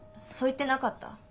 そう言ってなかった？